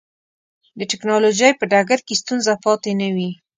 د ټکنالوجۍ په ډګر کې ستونزه پاتې نه وي.